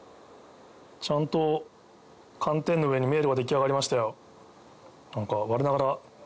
ちゃんと寒天の上に迷路が出来上がりましたよ。